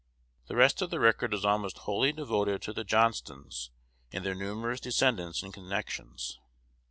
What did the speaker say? The rest of the record is almost wholly devoted to the Johnstons and their numerous descendants and connections.